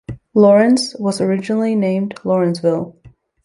Laurens was originally named Laurensville.